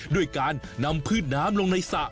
ด้วยการนำพืชน้ำลงในสระ